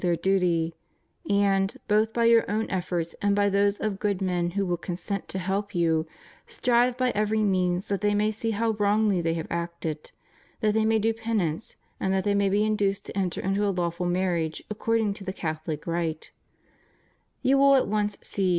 their duty; and, both by your own efforts and by those of good men who will consent to help you, strive by every means that they may see how wrongly they have acted; that they may do penance; and that they may be induced to enter into a lawful marriage according to the Cathohc rite. You will at once see.